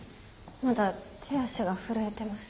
まだ手足が震えてます。